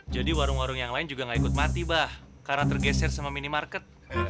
jadi warung warung yang lain juga gak ikut mati bah karena tergeser sama minimarket